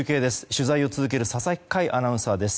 取材を続ける佐々木快アナウンサーです。